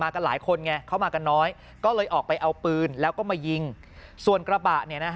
กันหลายคนไงเข้ามากันน้อยก็เลยออกไปเอาปืนแล้วก็มายิงส่วนกระบะเนี่ยนะฮะ